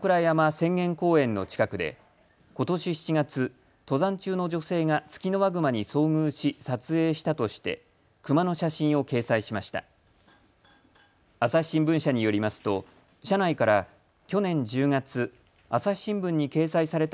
浅間公園の近くでことし７月、登山中の女性がツキノワグマに遭遇し撮影したとしてクマの写真を掲載しました。